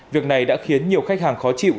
việc này đã khiến nhiều khách hàng khó chịu